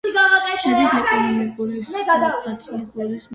შედის ეკონომიკურ-სტატისტიკურ მიკრორეგიონ სანტა-რიტა-დუ-საპუკაის შემადგენლობაში.